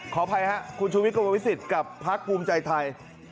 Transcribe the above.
ขออภัยครับคุณชูวิทย์กระมวลวิสิตกับพักภูมิใจไทย